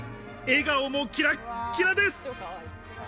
笑顔もキラキラです。